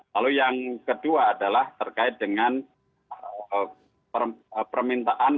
lalu yang kedua adalah terkait dengan permintaan